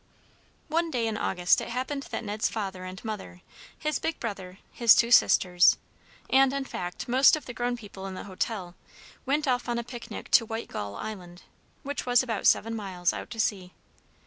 One day in August it happened that Ned's father and mother, his big brother, his two sisters, and, in fact, most of the grown people in the hotel, went off on a picnic to White Gull Island, which was about seven miles out to sea.